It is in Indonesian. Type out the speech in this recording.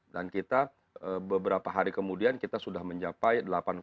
dan kita beberapa hari kemudian kita sudah mencapai delapan lima